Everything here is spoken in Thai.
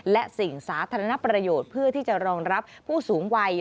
และสิ่งสาธารณประโยชน์เพื่อที่จะรองรับผู้สูงวัย